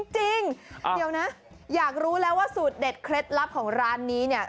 จริงเดี๋ยวนะอยากรู้แล้วว่าสูตรเด็ดเคล็ดลับของร้านนี้เนี่ย